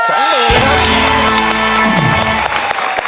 สองหมื่นบาท